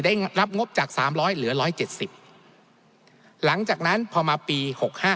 ได้รับงบจากสามร้อยเหลือร้อยเจ็ดสิบหลังจากนั้นพอมาปีหกห้า